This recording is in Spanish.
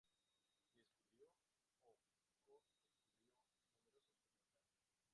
Descubrió o co-descubrió numerosos cometas.